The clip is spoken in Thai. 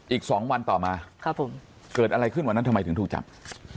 อีก๒วันต่อมาครับผมเกิดอะไรขึ้นวันนั้นทำไมถึงถูกจับ